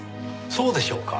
そうでしょうか？